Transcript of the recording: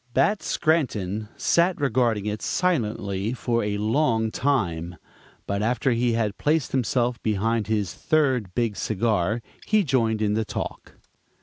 Bat Scranton sat regarding it silently for a long time; but after he had placed himself behind his third big cigar he joined in the talk.